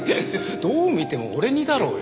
どう見ても俺似だろうよ。